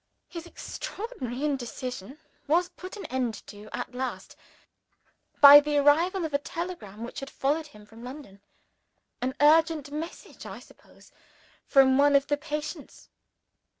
His extraordinary indecision was put an end to at last by the arrival of a telegram which had followed him from London. An urgent message, I suppose, from one of the patients.